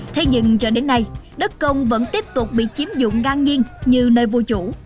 thế nhưng cho đến nay đất công vẫn tiếp tục bị chiếm dụng ngang nhiên như nơi vô chủ